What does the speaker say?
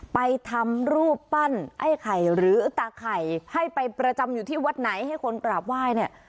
ไปทำรูปปั้นไอ้ไข่หรือตาไข่ให้ไปประจำอยู่ที่วัดไหนให้คนกราบไหว้เนี่ย